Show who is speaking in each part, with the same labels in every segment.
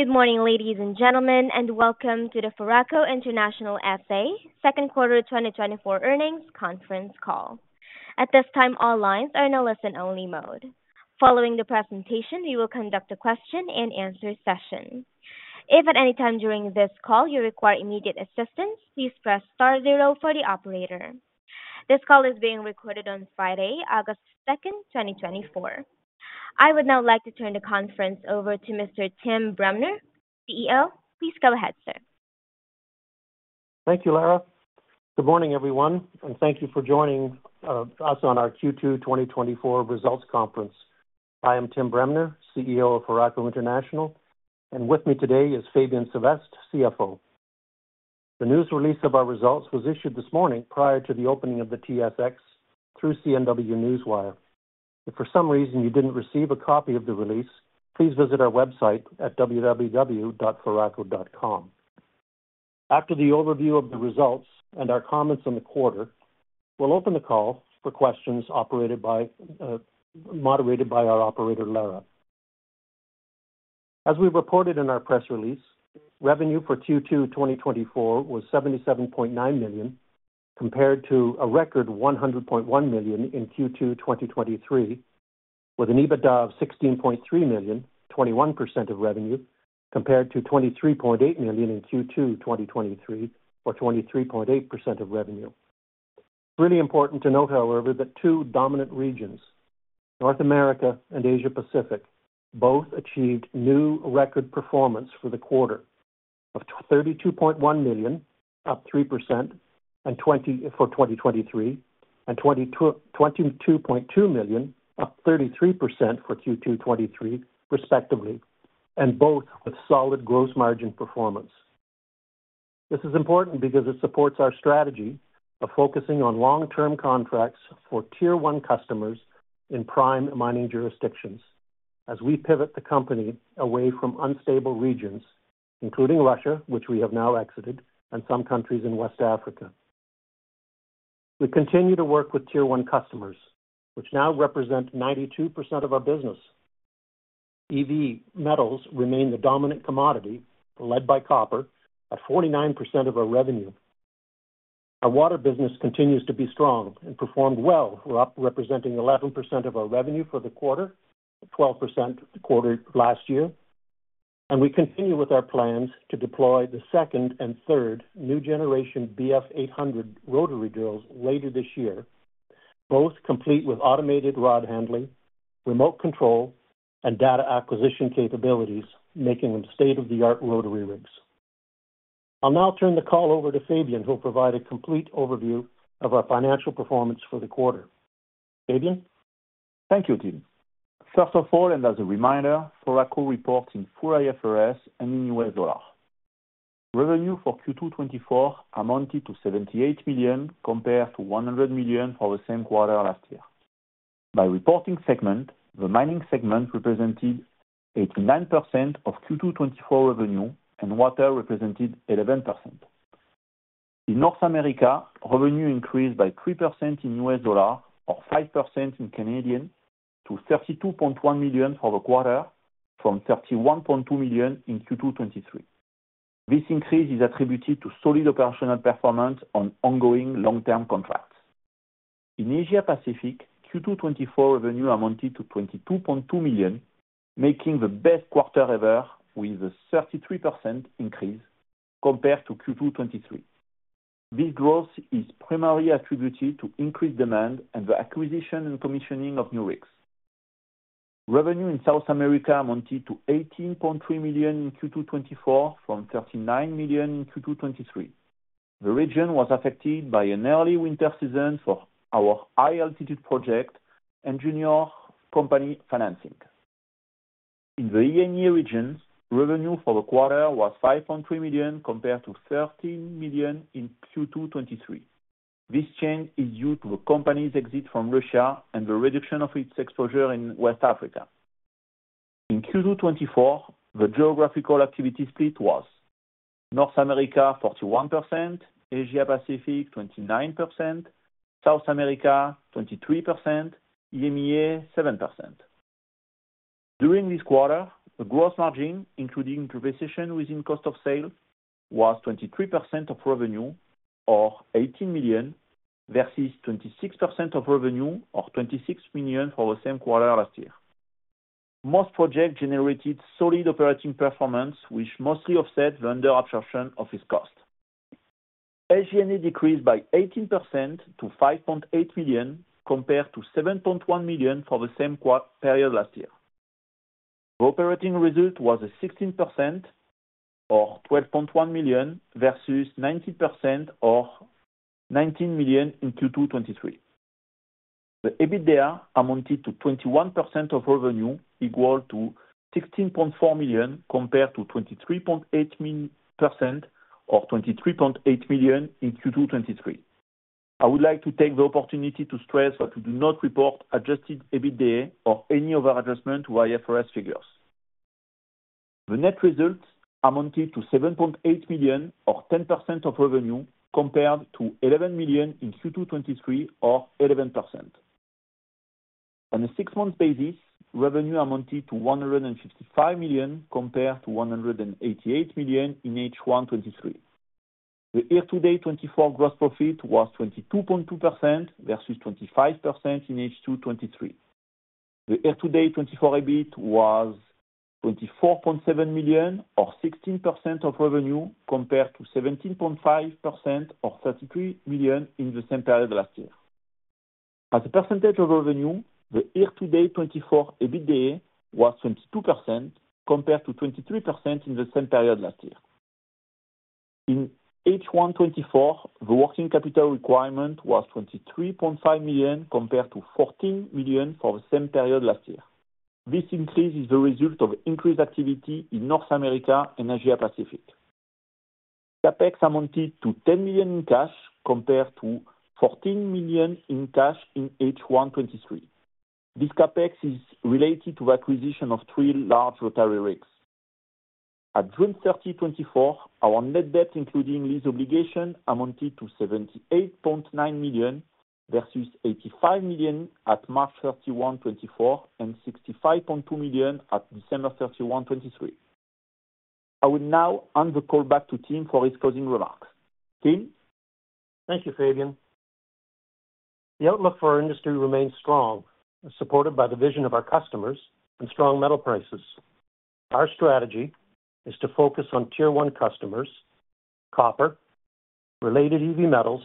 Speaker 1: Good morning, ladies and gentlemen, and welcome to the Foraco International S.A. Second Quarter 2024 Earnings Conference Call. At this time, all lines are in a listen-only mode. Following the presentation, we will conduct a question-and-answer session. If at any time during this call you require immediate assistance, please press star zero for the operator. This call is being recorded on Friday, August 2nd, 2024. I would now like to turn the conference over to Mr. Tim Bremner, CEO. Please go ahead, sir.
Speaker 2: Thank you, Lara. Good morning, everyone, and thank you for joining us on our Q2 2024 results conference. I am Tim Bremner, CEO of Foraco International, and with me today is Fabien Sylvestre, CFO. The news release of our results was issued this morning prior to the opening of the TSX through CNW Newswire. If for some reason you didn't receive a copy of the release, please visit our website at www.foraco.com. After the overview of the results and our comments on the quarter, we'll open the call for questions operated by, moderated by our operator, Lara. As we reported in our press release, revenue for Q2 2024 was $77.9 million, compared to a record $100.1 million in Q2 2023, with an EBITDA of $16.3 million, 21% of revenue, compared to $23.8 million in Q2 2023, or 23.8% of revenue. Really important to note, however, that two dominant regions, North America and Asia Pacific, both achieved new record performance for the quarter of $32.1 million, up 3% and for 2023, and $22.2 million, up 33% for Q2 2023, respectively, and both with solid gross margin performance. This is important because it supports our strategy of focusing on long-term contracts for tier one customers in prime mining jurisdictions as we pivot the company away from unstable regions, including Russia, which we have now exited, and some countries in West Africa. We continue to work with tier one customers, which now represent 92% of our business. EV metals remain the dominant commodity, led by copper at 49% of our revenue. Our water business continues to be strong and performed well, representing 11% of our revenue for the quarter, 12% the quarter last year. And we continue with our plans to deploy the second and third new generation BF 800 rotary drills later this year, both complete with automated rod handling, remote control, and data acquisition capabilities, making them state-of-the-art rotary rigs. I'll now turn the call over to Fabien, who'll provide a complete overview of our financial performance for the quarter. Fabien?
Speaker 3: Thank you, Tim. First of all, and as a reminder, Foraco reports in full IFRS and in U.S. dollar. Revenue for Q2 2024 amounted to $78 million, compared to $100 million for the same quarter last year. By reporting segment, the mining segment represented 89% of Q2 2024 revenue, and water represented 11%. In North America, revenue increased by 3% in U.S. dollar or 5% in Canadian, to $32.1 million for the quarter from $31.2 million in Q2 2023. This increase is attributed to solid operational performance on ongoing long-term contracts. In Asia Pacific, Q2 2024 revenue amounted to $22.2 million, making the best quarter ever with a 33% increase compared to Q2 2023. This growth is primarily attributed to increased demand and the acquisition and commissioning of new rigs. Revenue in South America amounted to $18.3 million in Q2 2024, from $39 million in Q2 2023. The region was affected by an early winter season for our high altitude project and junior company financing. In the EMEA regions, revenue for the quarter was $5.3 million, compared to $13 million in Q2 2023. This change is due to the company's exit from Russia and the reduction of its exposure in West Africa. In Q2 2024, the geographical activity split was: North America, 41%, Asia Pacific, 29%, South America, 23%, EMEA, 7%. During this quarter, the gross margin, including depreciation within cost of sale, was 23% of revenue, or $18 million, versus 26% of revenue, or $26 million, for the same quarter last year. Most projects generated solid operating performance, which mostly offset the under absorption of its cost. SG&A decreased by 18% to $5.8 million, compared to $7.1 million for the same period last year. The operating result was 16% or $12.1 million versus 19% or $19 million in Q2 2023. The EBITDA amounted to 21% of revenue, equal to $16.4 million, compared to 23.8%, or $23.8 million in Q2 2023. I would like to take the opportunity to stress that we do not report adjusted EBITDA or any other adjustment to IFRS figures. The net results amounted to $7.8 million, or 10% of revenue, compared to $11 million in Q2 2023 or 11%. On a six-month basis, revenue amounted to $155 million, compared to $188 million in H1 2023. The year-to-date 2024 gross profit was 22.2% versus 25% in H1 2023. The year-to-date 2024 EBIT was $24.7 million, or 16% of revenue, compared to 17.5% or $33 million in the same period last year. As a percentage of revenue, the year-to-date 2024 EBITDA was 22%, compared to 23% in the same period last year. In H1 2024, the working capital requirement was $23.5 million, compared to $14 million for the same period last year. This increase is the result of increased activity in North America and Asia Pacific. CapEx amounted to $10 million in cash, compared to $14 million in cash in H1 2023. This CapEx is related to the acquisition of three large rotary rigs. At June 30, 2024, our net debt, including lease obligation, amounted to $78.9 million, versus $85 million at March 31, 2024, and $65.2 million at December 31, 2023. I will now hand the call back to Tim for his closing remarks. Tim?
Speaker 2: Thank you, Fabien. The outlook for our industry remains strong, supported by the vision of our customers and strong metal prices. Our strategy is to focus on Tier one customers, copper, related heavy metals,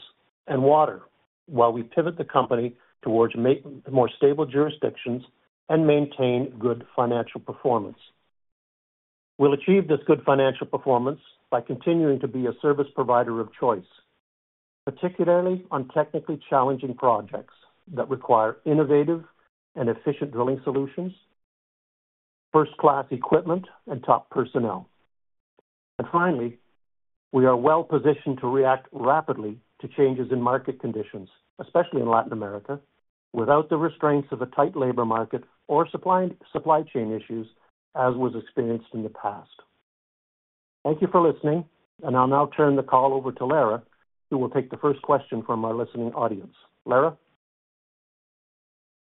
Speaker 2: and water, while we pivot the company towards more stable jurisdictions and maintain good financial performance. We'll achieve this good financial performance by continuing to be a service provider of choice, particularly on technically challenging projects that require innovative and efficient drilling solutions, first-class equipment, and top personnel. And finally, we are well-positioned to react rapidly to changes in market conditions, especially in Latin America, without the restraints of a tight labor market or supply chain issues, as was experienced in the past. Thank you for listening, and I'll now turn the call over to Lara, who will take the first question from our listening audience. Lara?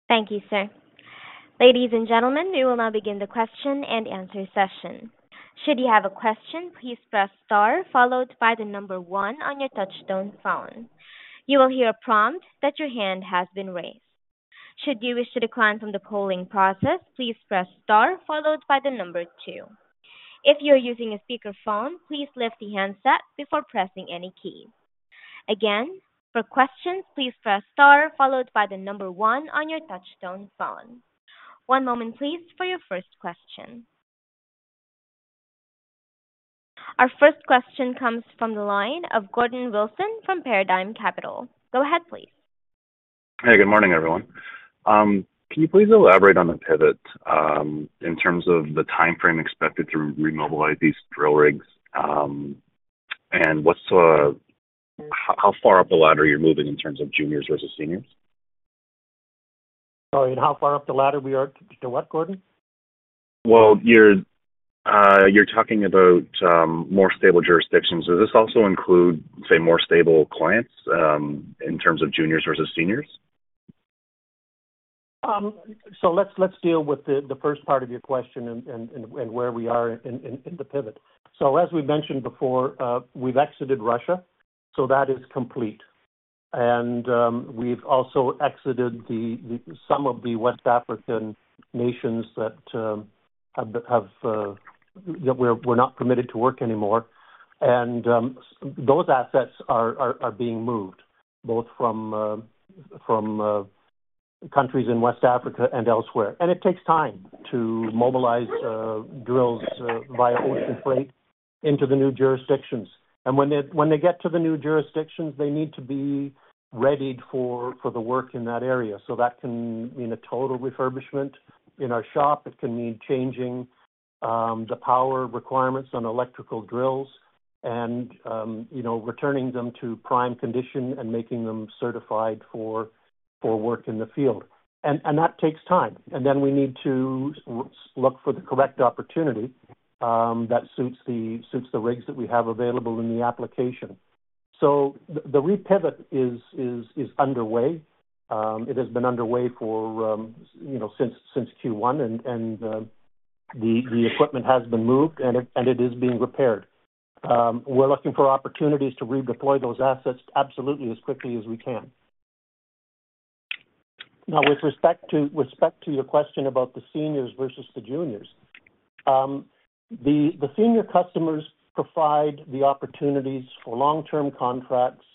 Speaker 1: Thank you, sir. Ladies and gentlemen, we will now begin the question and answer session. Should you have a question, please press star followed by the number one on your touchtone phone. You will hear a prompt that your hand has been raised. Should you wish to decline from the polling process, please press star followed by the number two. If you're using a speakerphone, please lift the handset before pressing any key. Again, for questions, please press star followed by the number one on your touchtone phone. One moment, please, for your first question. Our first question comes from the line of Gordon Lawson from Paradigm Capital. Go ahead, please.
Speaker 4: Hey, good morning, everyone. Can you please elaborate on the pivot in terms of the timeframe expected to remobilize these drill rigs? And what's how far up the ladder you're moving in terms of juniors versus seniors?
Speaker 2: Sorry, and how far up the ladder we are to what, Gordon?
Speaker 4: Well, you're talking about more stable jurisdictions. Does this also include, say, more stable clients in terms of juniors versus seniors?
Speaker 2: So let's deal with the first part of your question and where we are in the pivot. As we've mentioned before, we've exited Russia, so that is complete. We've also exited some of the West African nations that we're not permitted to work anymore. Those assets are being moved, both from countries in West Africa and elsewhere. It takes time to mobilize drills via ocean freight into the new jurisdictions. When they get to the new jurisdictions, they need to be readied for the work in that area. So that can mean a total refurbishment in our shop. It can mean changing the power requirements on electrical drills and, you know, returning them to prime condition and making them certified for work in the field. That takes time. Then we need to look for the correct opportunity that suits the rigs that we have available in the application. So the repivot is underway. It has been underway for, you know, since Q1, and the equipment has been moved, and it is being repaired. We're looking for opportunities to redeploy those assets absolutely as quickly as we can. Now, with respect to your question about the seniors versus the juniors, the senior customers provide the opportunities for long-term contracts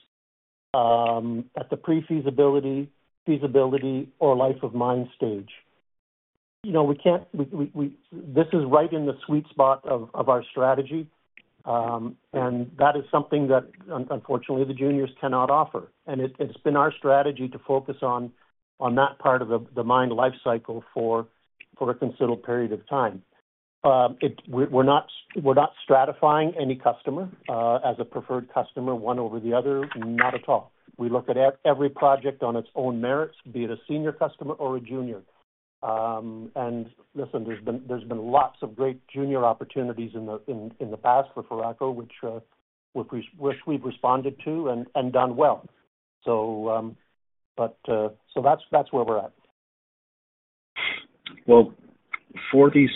Speaker 2: at the pre-feasibility, feasibility, or life of mine stage. You know, we can't. This is right in the sweet spot of our strategy, and that is something that unfortunately, the juniors cannot offer. And it's been our strategy to focus on that part of the mine life cycle for a considerable period of time. We're not stratifying any customer as a preferred customer, one over the other, not at all. We look at every project on its own merits, be it a senior customer or a junior. And listen, there's been lots of great junior opportunities in the past for Foraco, which we've responded to and done well. So, but that's where we're at.
Speaker 4: Well, for these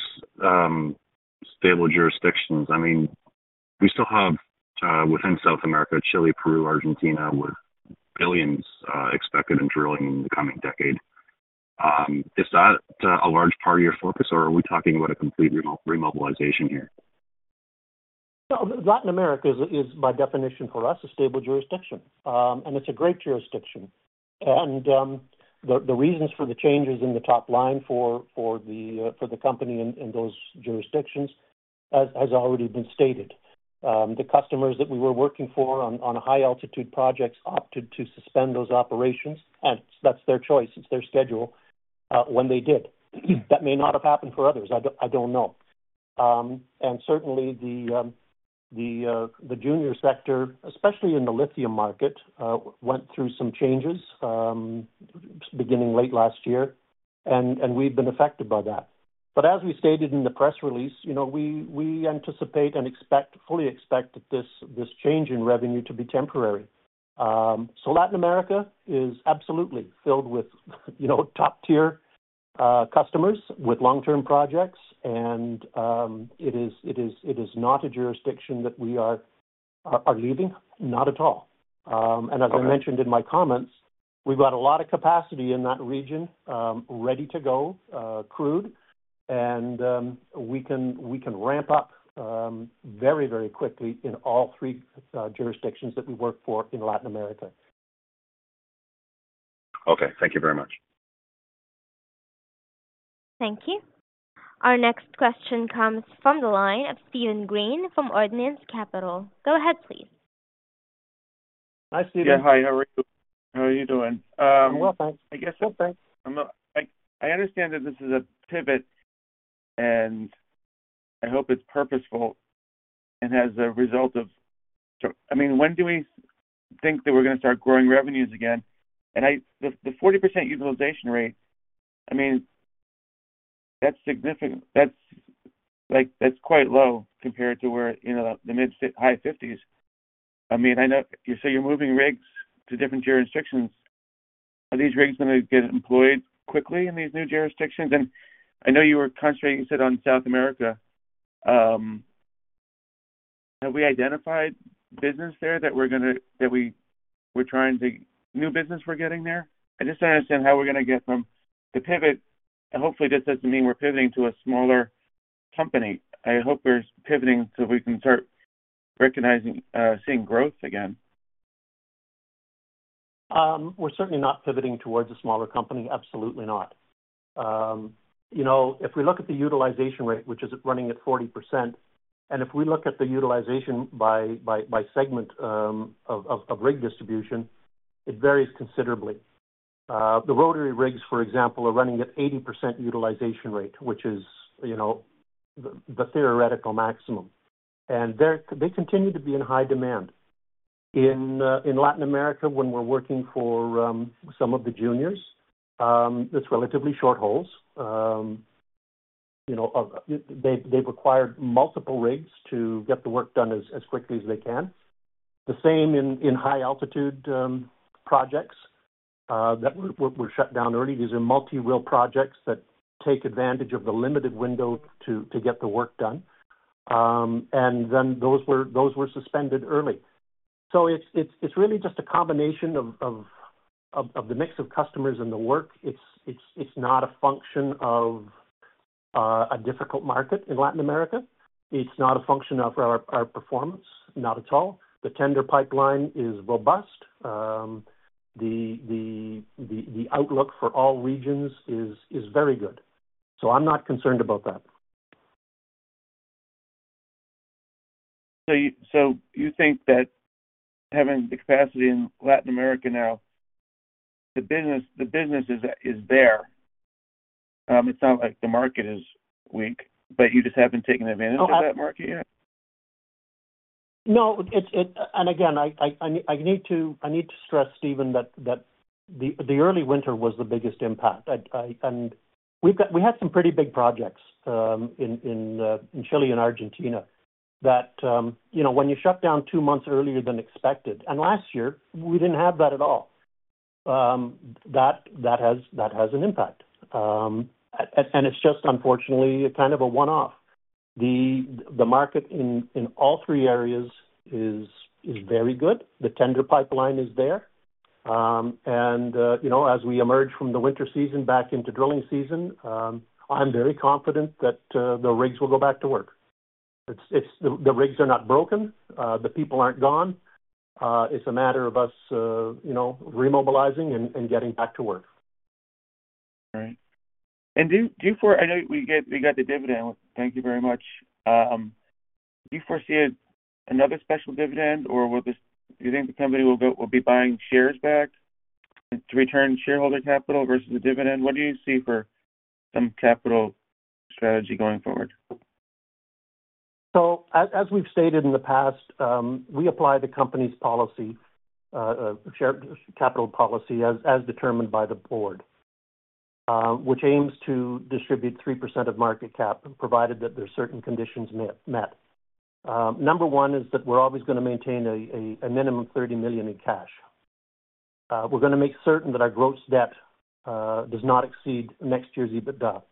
Speaker 4: stable jurisdictions, I mean, we still have within South America, Chile, Peru, Argentina, with billions expected in drilling in the coming decade. Is that a large part of your focus, or are we talking about a complete remobilization here?
Speaker 2: No, Latin America is by definition for us, a stable jurisdiction. And it's a great jurisdiction. And the reasons for the changes in the top line for the company in those jurisdictions, as has already been stated. The customers that we were working for on high altitude projects opted to suspend those operations, and that's their choice. It's their schedule when they did. That may not have happened for others. I don't know. And certainly the junior sector, especially in the lithium market, went through some changes beginning late last year, and we've been affected by that. But as we stated in the press release, you know, we anticipate and expect, fully expect that this change in revenue to be temporary. So Latin America is absolutely filled with, you know, top-tier customers with long-term projects, and it is not a jurisdiction that we are leaving. Not at all. And as I mentioned in my comments, we've got a lot of capacity in that region, ready to go, crewed, and we can ramp up very, very quickly in all three jurisdictions that we work for in Latin America.
Speaker 4: Okay, thank you very much.
Speaker 1: Thank you. Our next question comes from the line of Steven Green from Ordnance Capital LP. Go ahead, please.
Speaker 2: Hi, Steven.
Speaker 5: Yeah. Hi, how are you? How are you doing?
Speaker 2: I'm well, thanks.
Speaker 5: I guess-
Speaker 2: Well, thanks.
Speaker 5: I understand that this is a pivot, and I hope it's purposeful and as a result of... I mean, when do we think that we're gonna start growing revenues again? And the 40% utilization rate, I mean, that's significant. That's, like, that's quite low compared to where, you know, the mid- to high 50s. I mean, I know, you say you're moving rigs to different jurisdictions. Are these rigs gonna get employed quickly in these new jurisdictions? And I know you were concentrating, you said, on South America. Have we identified business there that we're gonna, that we were trying to... New business we're getting there? I just don't understand how we're gonna get from the pivot, and hopefully, this doesn't mean we're pivoting to a smaller company. I hope we're pivoting so we can start recognizing, seeing growth again.
Speaker 2: We're certainly not pivoting towards a smaller company. Absolutely not. You know, if we look at the utilization rate, which is running at 40%, and if we look at the utilization by segment of rig distribution, it varies considerably. The rotary rigs, for example, are running at 80% utilization rate, which is, you know, the theoretical maximum. They continue to be in high demand. In Latin America, when we're working for some of the juniors, it's relatively short hauls. You know, they've acquired multiple rigs to get the work done as quickly as they can. The same in high altitude projects that were shut down early. These are multiwell projects that take advantage of the limited window to get the work done. And then those were suspended early. So it's really just a combination of the mix of customers and the work. It's not a function of a difficult market in Latin America. It's not a function of our performance. Not at all. The tender pipeline is robust. The outlook for all regions is very good, so I'm not concerned about that.
Speaker 5: So you think that having the capacity in Latin America now, the business is there? It's not like the market is weak, but you just haven't taken advantage of that market yet?
Speaker 2: No, it's it. And again, I need to stress, Steven, that the early winter was the biggest impact. I – and we've got. We had some pretty big projects in Chile and Argentina, that you know, when you shut down two months earlier than expected, and last year we didn't have that at all, that has an impact. And it's just unfortunately, kind of a one-off. The market in all three areas is very good. The tender pipeline is there. And you know, as we emerge from the winter season back into drilling season, I'm very confident that the rigs will go back to work. It's the rigs are not broken, the people aren't gone. It's a matter of us, you know, remobilizing and getting back to work.
Speaker 5: All right. Do you foresee—I know we got the dividend. Thank you very much. Do you foresee another special dividend, or will this... Do you think the company will be buying shares back to return shareholder capital versus a dividend? What do you see for some capital strategy going forward? ...
Speaker 2: So as we've stated in the past, we apply the company's policy, share capital policy as determined by the board, which aims to distribute 3% of market cap, provided that there are certain conditions met. Number one is that we're always gonna maintain a minimum $30 million in cash. We're gonna make certain that our gross debt does not exceed next year's EBITDA.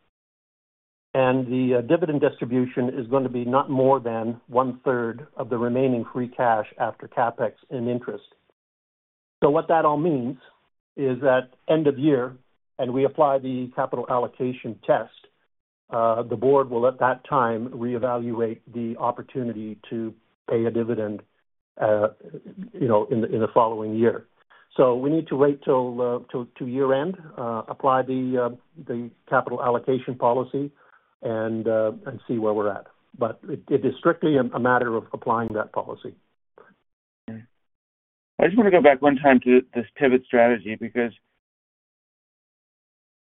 Speaker 2: And the dividend distribution is going to be not more than one third of the remaining free cash after CapEx and interest. So what that all means is that end of year, and we apply the capital allocation test, the board will, at that time, reevaluate the opportunity to pay a dividend, you know, in the following year. So we need to wait till the year-end, apply the capital allocation policy, and see where we're at. But it is strictly a matter of applying that policy.
Speaker 5: Okay. I just wanna go back one time to this pivot strategy, because,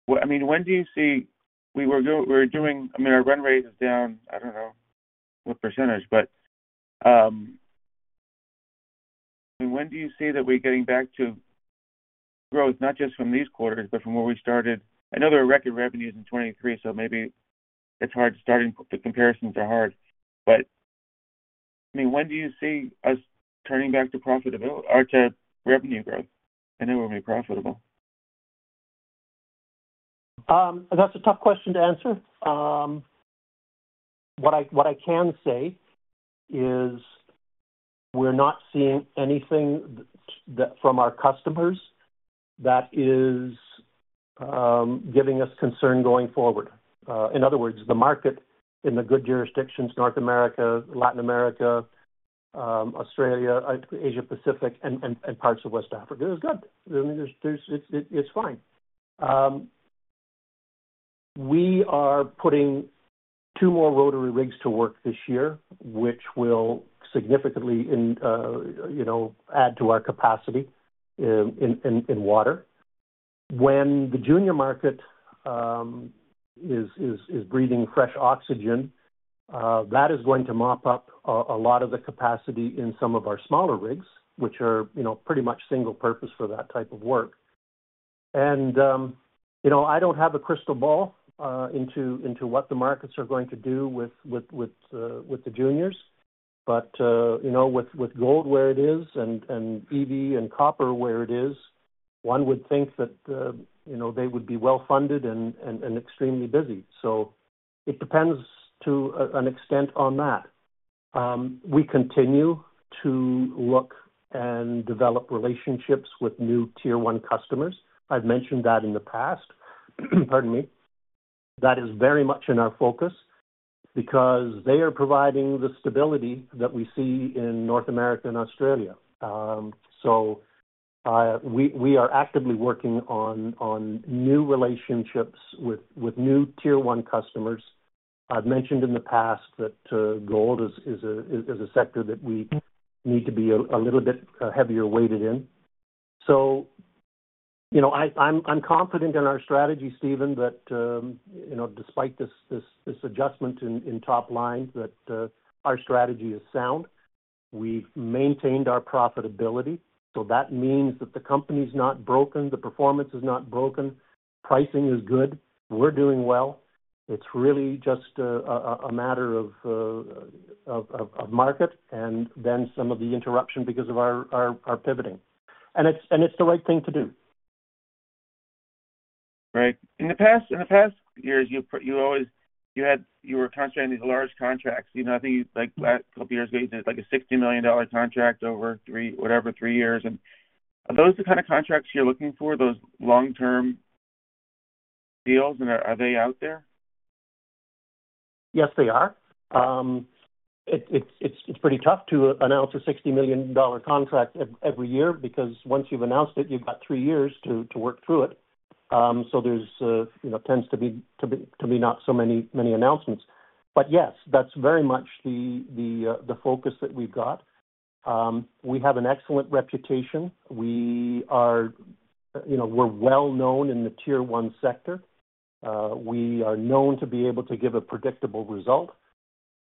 Speaker 5: well, I mean, when do you see... We were doing, we're doing, I mean, our run rate is down, I don't know what percentage, but, I mean, when do you see that we're getting back to growth, not just from these quarters, but from where we started? I know there are record revenues in 2023, so maybe it's hard to starting, the comparisons are hard. But, I mean, when do you see us turning back to profitability or to revenue growth? I know we'll be profitable.
Speaker 2: That's a tough question to answer. What I can say is we're not seeing anything that from our customers that is giving us concern going forward. In other words, the market in the good jurisdictions, North America, Latin America, Australia, Asia Pacific, and parts of West Africa, is good. I mean, it's fine. We are putting two more rotary rigs to work this year, which will significantly, you know, add to our capacity in water. When the junior market is breathing fresh oxygen, that is going to mop up a lot of the capacity in some of our smaller rigs, which are, you know, pretty much single purpose for that type of work. You know, I don't have a crystal ball into what the markets are going to do with the juniors. But you know, with gold where it is, and EV and copper where it is, one would think that you know, they would be well funded and extremely busy. So it depends to an extent on that. We continue to look and develop relationships with new Tier one customers. I've mentioned that in the past. Pardon me. That is very much in our focus because they are providing the stability that we see in North America and Australia. So we are actively working on new relationships with new Tier one customers. I've mentioned in the past that gold is a sector that we need to be a little bit heavier weighted in. So, you know, I'm confident in our strategy, Steven, that you know, despite this adjustment in top line, that our strategy is sound. We've maintained our profitability, so that means that the company's not broken, the performance is not broken, pricing is good, we're doing well. It's really just a matter of market and then some of the interruption because of our pivoting. And it's the right thing to do.
Speaker 5: Right. In the past, in the past years, you've you always, you had... You were concentrating these large contracts, you know, I think like the last couple of years, like a $60 million contract over three, whatever, three years. And are those the kind of contracts you're looking for, those long-term deals? And are they out there?
Speaker 2: Yes, they are. It's, it's, it's pretty tough to announce a $60 million contract every year, because once you've announced it, you've got 3 years to work through it. So there's, you know, tends to be not so many announcements. But yes, that's very much the focus that we've got. We have an excellent reputation. We are, you know, we're well known in the Tier One sector. We are known to be able to give a predictable result.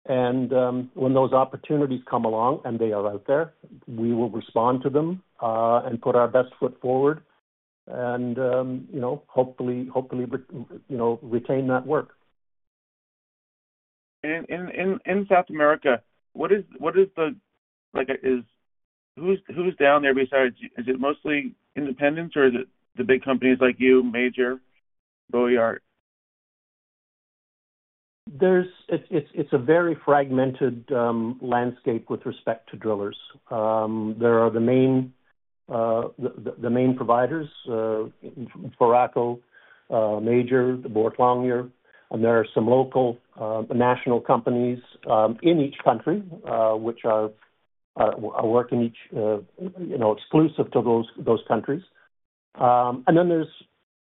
Speaker 2: And, when those opportunities come along, and they are out there, we will respond to them, and put our best foot forward and, you know, hopefully, retain that work.
Speaker 5: In South America, what is the, like, is... Who's down there besides you? Is it mostly independents, or is it the big companies like you, Major, Boart?
Speaker 2: It's a very fragmented landscape with respect to drillers. There are the main providers, Foraco, Major, Boart Longyear, and there are some local national companies in each country which work in each you know exclusive to those countries. And then there's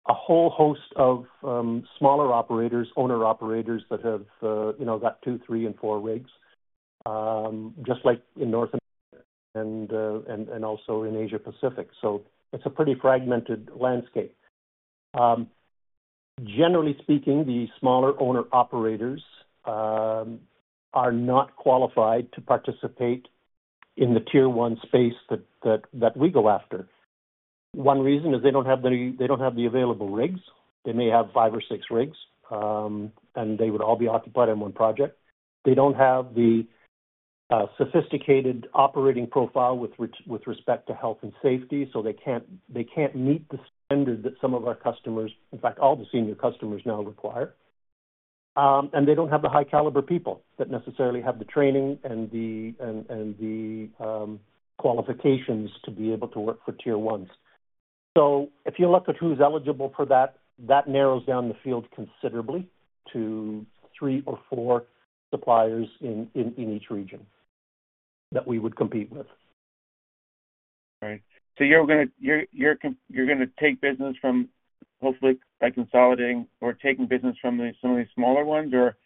Speaker 2: a whole host of smaller operators, owner-operators, that have you know got two, three, and four rigs just like in North America and also in Asia Pacific. So it's a pretty fragmented landscape. Generally speaking, the smaller owner-operators are not qualified to participate in the tier one space that we go after. One reason is they don't have the available rigs. They may have five or six rigs, and they would all be occupied on one project. They don't have the sophisticated operating profile with respect to health and safety, so they can't meet the standard that some of our customers, in fact, all the senior customers now require. And they don't have the high caliber people that necessarily have the training and the qualifications to be able to work for tier ones. So if you look at who's eligible for that, that narrows down the field considerably to three or four suppliers in each region that we would compete with.
Speaker 5: Right. So you're gonna take business from, hopefully, by consolidating or taking business from some of these smaller ones, or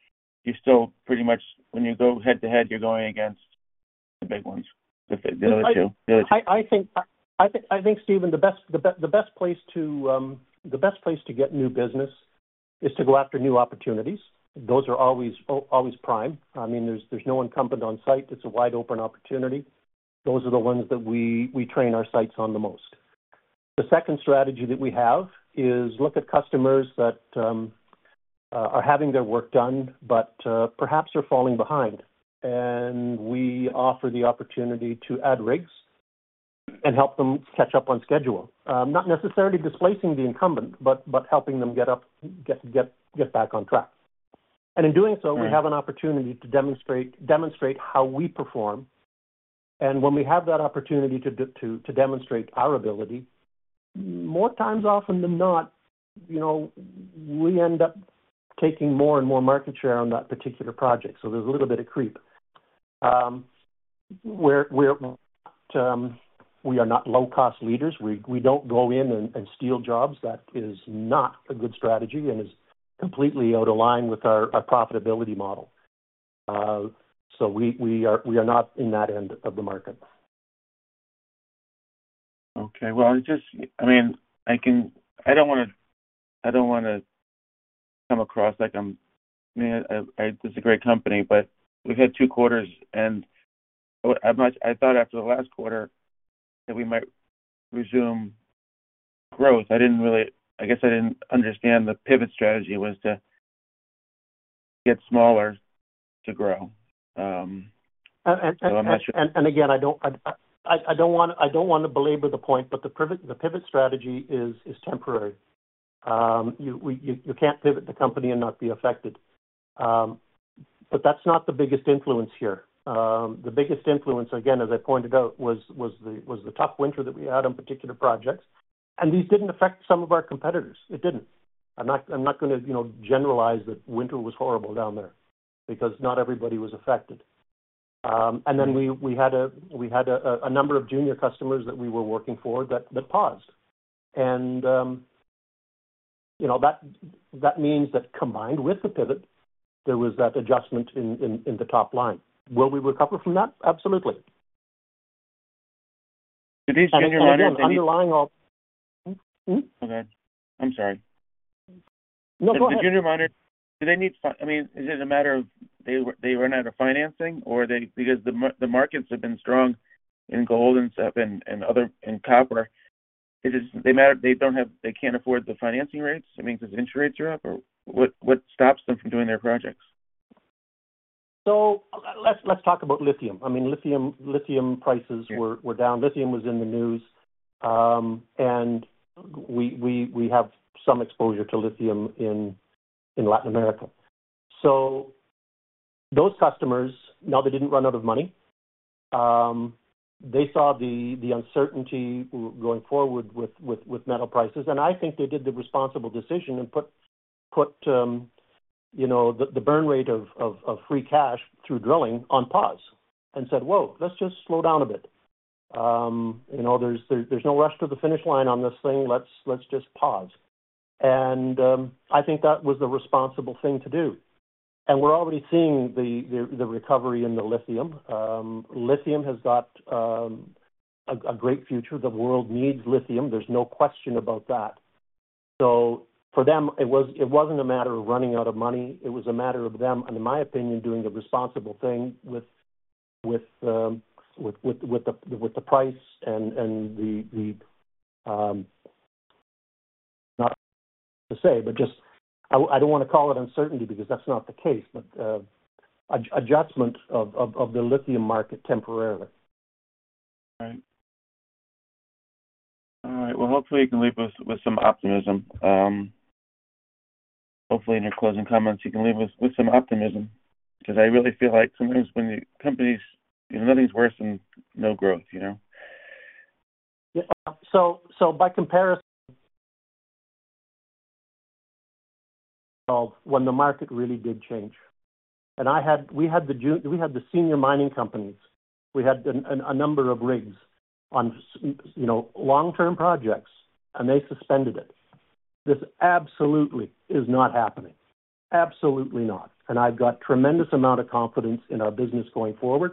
Speaker 5: you still pretty much when you go head-to-head, you're going against the big ones, the other two?
Speaker 2: I think, Steven, the best place to get new business is to go after new opportunities. Those are always prime. I mean, there's no incumbent on site. It's a wide open opportunity. Those are the ones that we train our sights on the most. The second strategy that we have is look at customers that are having their work done but perhaps are falling behind. And we offer the opportunity to add rigs and help them catch up on schedule. Not necessarily displacing the incumbent, but helping them get back on track. And in doing so, we have an opportunity to demonstrate how we perform. When we have that opportunity to demonstrate our ability, more often than not, you know, we end up taking more and more market share on that particular project. So there's a little bit of creep. We are not low-cost leaders. We don't go in and steal jobs. That is not a good strategy and is completely out of line with our profitability model. So we are not in that end of the market.
Speaker 5: Okay. Well, I just... I mean, I can... I don't wanna, I don't wanna come across like I'm. This is a great company, but we've had two quarters, and I thought after the last quarter that we might resume growth. I didn't really... I guess I didn't understand the pivot strategy was to get smaller, to grow. So I'm not sure-
Speaker 2: And again, I don't wanna belabor the point, but the pivot strategy is temporary. You can't pivot the company and not be affected. But that's not the biggest influence here. The biggest influence, again, as I pointed out, was the tough winter that we had on particular projects. These didn't affect some of our competitors. It didn't. I'm not gonna, you know, generalize that winter was horrible down there because not everybody was affected. And then we had a number of junior customers that we were working for that paused. You know, that means that combined with the pivot, there was that adjustment in the top line. Will we recover from that? Absolutely.
Speaker 5: Do these junior miners-
Speaker 2: Underlying all... Hmm?
Speaker 5: Go ahead. I'm sorry.
Speaker 2: No, go ahead.
Speaker 5: The junior miners, do they need? I mean, is it a matter of they, they run out of financing, or they, because the markets have been strong in gold and stuff and, and other, and copper. It is. They don't have. They can't afford the financing rates? That means because interest rates are up, or what, what stops them from doing their projects?
Speaker 2: So let's talk about lithium. I mean, lithium prices were down. Lithium was in the news. We have some exposure to lithium in Latin America. So those customers, no, they didn't run out of money. They saw the uncertainty going forward with metal prices, and I think they did the responsible decision and put you know the burn rate of free cash through drilling on pause and said, "Whoa, let's just slow down a bit. You know, there's no rush to the finish line on this thing. Let's just pause." I think that was the responsible thing to do. We're already seeing the recovery in the lithium. Lithium has got a great future. The world needs lithium. There's no question about that. So for them, it was. It wasn't a matter of running out of money. It was a matter of them, and in my opinion, doing the responsible thing with the price and the, not to say, but just... I don't want to call it uncertainty because that's not the case, but adjustment of the lithium market temporarily.
Speaker 5: Right. All right, well, hopefully you can leave us with some optimism. Hopefully, in your closing comments, you can leave us with some optimism. Because I really feel like sometimes when the companies... You know, nothing's worse than no growth, you know?
Speaker 2: Yeah. So, by comparison to when the market really did change, and we had the senior mining companies. We had a number of rigs on, you know, long-term projects, and they suspended it. This absolutely is not happening. Absolutely not, and I've got tremendous amount of confidence in our business going forward.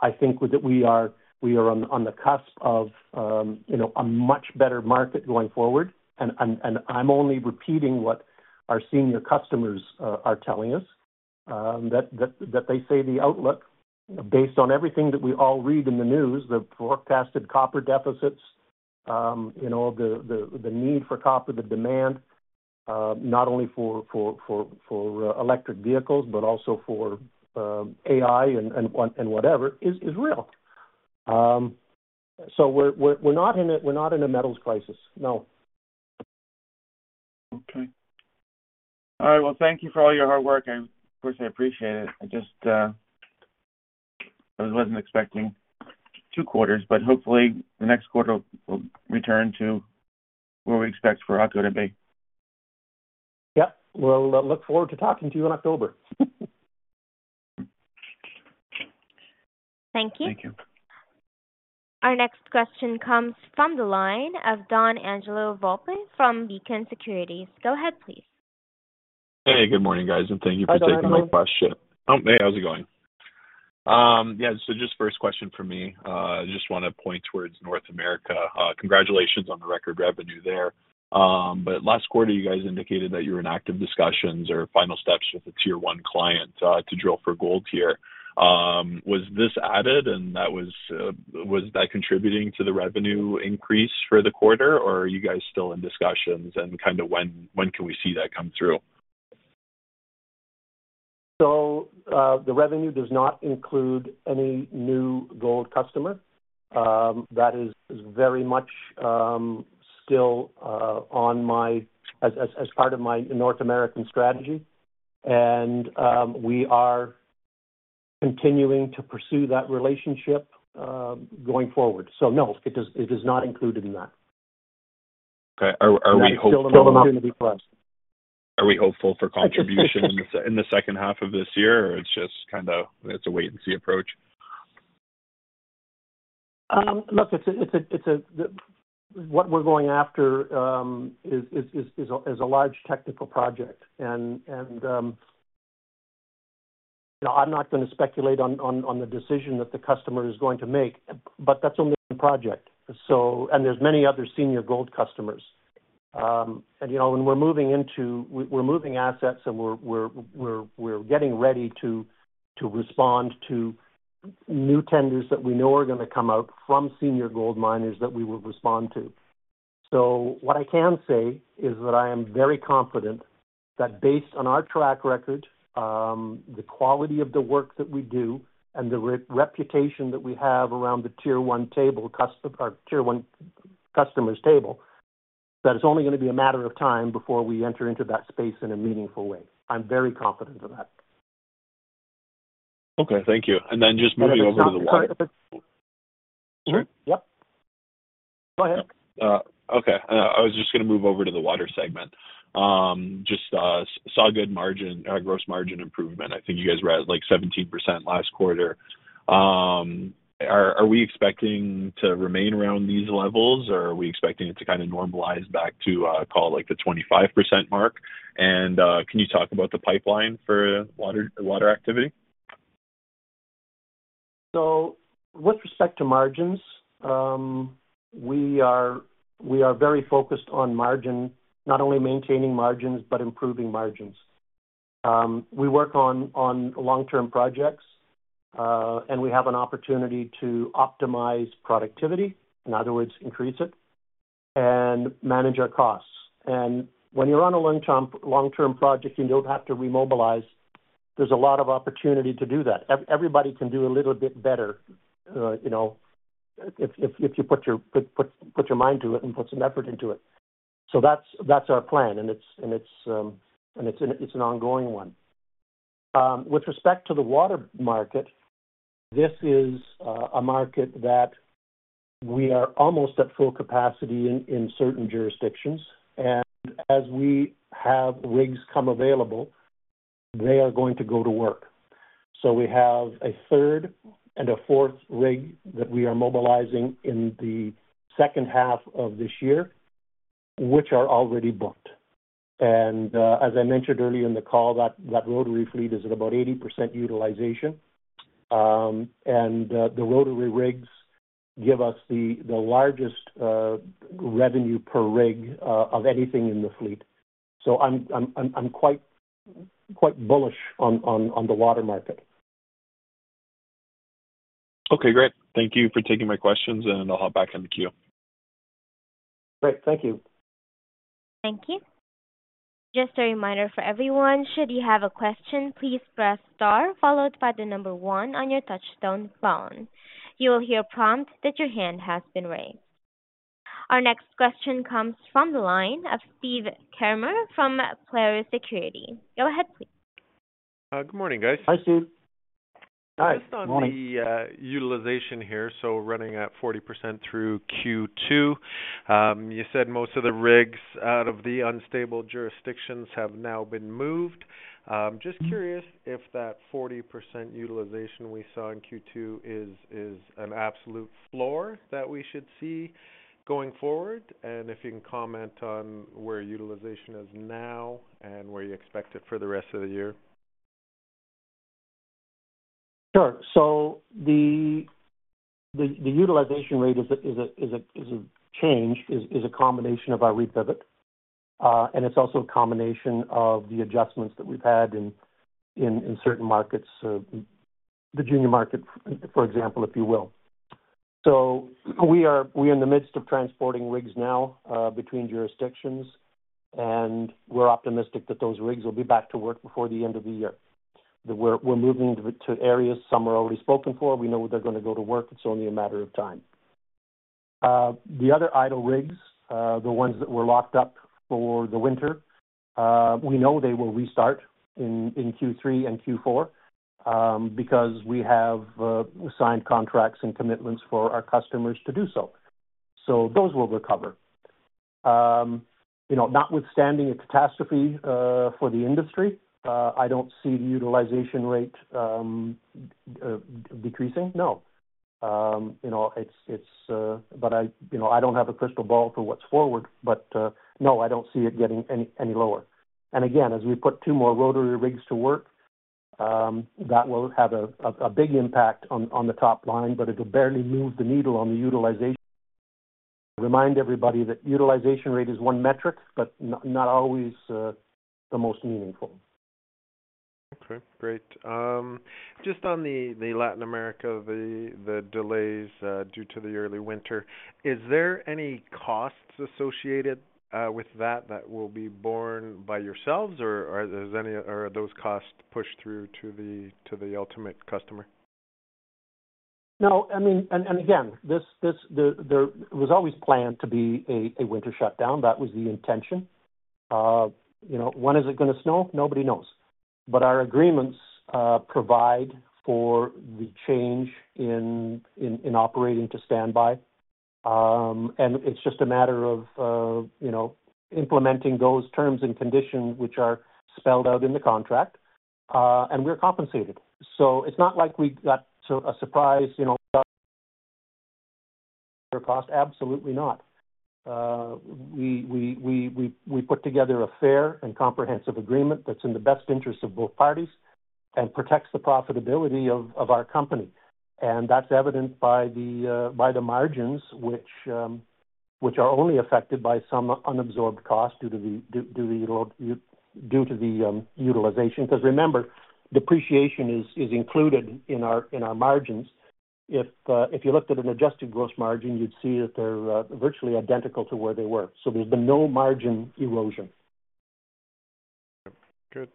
Speaker 2: I think that we are on the cusp of, you know, a much better market going forward. I'm only repeating what our senior customers are telling us that they say the outlook, based on everything that we all read in the news, the forecasted copper deficits, you know, the need for copper, the demand, not only for electric vehicles, but also for AI and whatever, is real. So we're not in a metals crisis, no.
Speaker 5: Okay. All right. Well, thank you for all your hard work, and of course, I appreciate it. I just, I wasn't expecting two quarters, but hopefully the next quarter will, will return to where we expect Foraco to be.
Speaker 2: Yep. Well, I look forward to talking to you in October.
Speaker 1: Thank you.
Speaker 5: Thank you.
Speaker 1: Our next question comes from the line of Donangelo Volpe from Beacon Securities. Go ahead, please.
Speaker 6: Hey, good morning, guys, and thank you for taking my question.
Speaker 2: Hi, Donangelo.
Speaker 6: Oh, hey, how's it going? Yeah, so just first question from me. I just wanna point towards North America. Congratulations on the record revenue there. But last quarter, you guys indicated that you were in active discussions or final steps with a Tier One client to drill for gold there. Was this added, and that was, was that contributing to the revenue increase for the quarter? Or are you guys still in discussions, and kind of when, when can we see that come through?
Speaker 2: So, the revenue does not include any new gold customer. That is very much still on my as part of my North American strategy. We are continuing to pursue that relationship going forward. So no, it is not included in that.
Speaker 6: Okay. Are we still-
Speaker 2: It's still an opportunity for us.
Speaker 6: Are we hopeful for contribution in the second half of this year, or it's just kind of, it's a wait-and-see approach?
Speaker 2: Look, it's the... What we're going after is a large technical project. And, you know, I'm not gonna speculate on the decision that the customer is going to make, but that's only one project. So, and there's many other senior gold customers. And, you know, when we're moving into... We're moving assets, and we're getting ready to respond to new tenders that we know are gonna come out from senior gold miners that we will respond to. So what I can say is that I am very confident that based on our track record, the quality of the work that we do and the reputation that we have around the tier one table customer, or tier one customers table, that it's only gonna be a matter of time before we enter into that space in a meaningful way. I'm very confident of that.
Speaker 6: Okay. Thank you. And then just moving over to the water-
Speaker 2: Sorry. Yep. Go ahead.
Speaker 6: Okay. I was just gonna move over to the water segment. Just saw good margin, gross margin improvement. I think you guys were at, like, 17% last quarter. Are we expecting to remain around these levels, or are we expecting it to kind of normalize back to, call it, like, the 25% mark? And can you talk about the pipeline for water activity?
Speaker 2: So with respect to margins, we are very focused on margin, not only maintaining margins, but improving margins. We work on long-term projects, and we have an opportunity to optimize productivity, in other words, increase it, and manage our costs. And when you're on a long-term project, you don't have to remobilize. There's a lot of opportunity to do that. Everybody can do a little bit better, you know, if you put your mind to it and put some effort into it. So that's our plan, and it's an ongoing one. With respect to the water market, this is a market that we are almost at full capacity in, in certain jurisdictions, and as we have rigs come available, they are going to go to work. So we have a third and a fourth rig that we are mobilizing in the second half of this year, which are already booked. And as I mentioned earlier in the call, that rotary fleet is at about 80% utilization. And the rotary rigs give us the largest revenue per rig of anything in the fleet. So I'm quite bullish on the water market.
Speaker 6: Okay, great. Thank you for taking my questions, and I'll hop back in the queue.
Speaker 2: Great. Thank you.
Speaker 1: Thank you. Just a reminder for everyone, should you have a question, please press star followed by the number one on your touchtone phone. You will hear a prompt that your hand has been raised. Our next question comes from the line of Steve Kramer from Polaris Securities. Go ahead, please.
Speaker 7: Good morning, guys.
Speaker 2: Hi, Steve. Hi.
Speaker 7: Just on the utilization here, so running at 40% through Q2. You said most of the rigs out of the unstable jurisdictions have now been moved. Just curious if that 40% utilization we saw in Q2 is an absolute floor that we should see going forward, and if you can comment on where utilization is now and where you expect it for the rest of the year? ...
Speaker 2: Sure. So the utilization rate is a change, is a combination of our repivot, and it's also a combination of the adjustments that we've had in certain markets, Virginia market, for example, if you will. So we're in the midst of transporting rigs now, between jurisdictions, and we're optimistic that those rigs will be back to work before the end of the year. We're moving to areas. Some are already spoken for. We know they're gonna go to work. It's only a matter of time. The other idle rigs, the ones that were locked up for the winter, we know they will restart in Q3 and Q4, because we have signed contracts and commitments for our customers to do so. So those will recover. You know, notwithstanding a catastrophe for the industry, I don't see the utilization rate decreasing. No. You know, it's but I, you know, I don't have a crystal ball for what's forward, but no, I don't see it getting any lower. And again, as we put two more rotary rigs to work, that will have a big impact on the top line, but it'll barely move the needle on the utilization. Remind everybody that utilization rate is one metric, but not always the most meaningful.
Speaker 7: Okay, great. Just on the Latin America, the delays due to the early winter, is there any costs associated with that that will be borne by yourselves, or are there any? Are those costs pushed through to the ultimate customer?
Speaker 2: No, I mean, and again, there was always planned to be a winter shutdown. That was the intention. You know, when is it gonna snow? Nobody knows. But our agreements provide for the change in operating to standby. And it's just a matter of, you know, implementing those terms and conditions, which are spelled out in the contract, and we're compensated. So it's not like we got a surprise, you know, cost. Absolutely not. We put together a fair and comprehensive agreement that's in the best interest of both parties and protects the profitability of our company. And that's evidenced by the margins, which are only affected by some unabsorbed costs due to the utilization. Because remember, depreciation is included in our margins. If you looked at an adjusted gross margin, you'd see that they're virtually identical to where they were. So there's been no margin erosion.
Speaker 7: Good.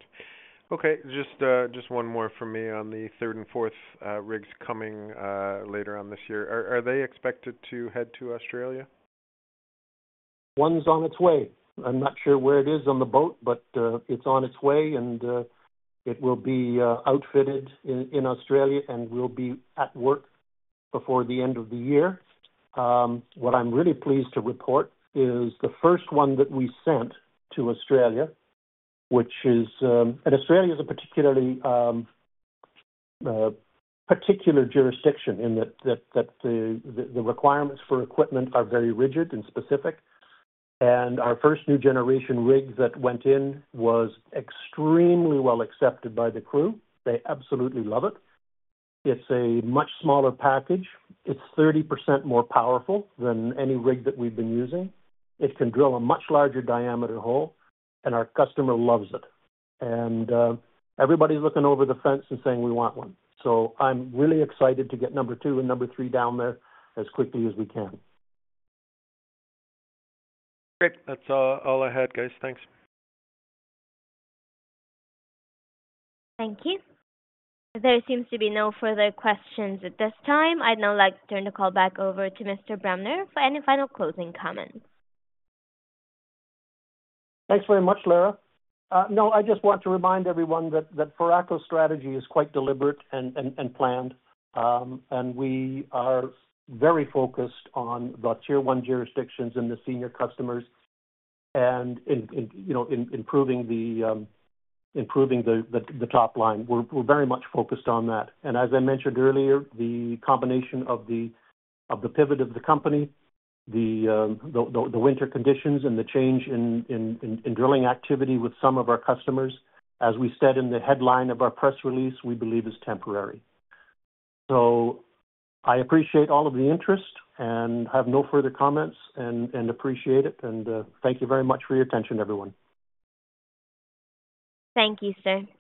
Speaker 7: Okay, just, just one more for me on the third and fourth, rigs coming, later on this year. Are they expected to head to Australia?
Speaker 2: One's on its way. I'm not sure where it is on the boat, but it's on its way, and it will be outfitted in Australia and will be at work before the end of the year. What I'm really pleased to report is the first one that we sent to Australia, which is... Australia is a particularly particular jurisdiction in that the requirements for equipment are very rigid and specific. Our first new generation rig that went in was extremely well accepted by the crew. They absolutely love it. It's a much smaller package. It's 30% more powerful than any rig that we've been using. It can drill a much larger diameter hole, and our customer loves it. Everybody's looking over the fence and saying, "We want one." So I'm really excited to get number two and number three down there as quickly as we can.
Speaker 7: Great. That's all I had, guys. Thanks.
Speaker 1: Thank you. There seems to be no further questions at this time. I'd now like to turn the call back over to Mr. Bremner for any final closing comments.
Speaker 2: Thanks very much, Lara. No, I just want to remind everyone that Foraco's strategy is quite deliberate and planned. And we are very focused on the tier-one jurisdictions and the senior customers and, you know, improving the top line. We're very much focused on that. And as I mentioned earlier, the combination of the pivot of the company, the winter conditions and the change in drilling activity with some of our customers, as we said in the headline of our press release, we believe is temporary. So I appreciate all of the interest and have no further comments, appreciate it, and thank you very much for your attention, everyone.
Speaker 1: Thank you, sir.